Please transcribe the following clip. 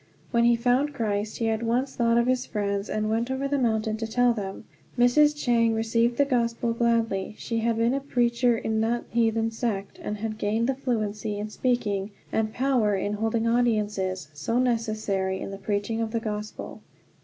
When he found Christ he at once thought of his friends, and went over the mountain to tell them. Mrs. Chang received the Gospel gladly. She had been a preacher in that heathen sect, and had gained the fluency in speaking, and power in holding audiences, so necessary in the preaching of the Gospel.